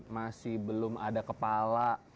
masih belum ada kepala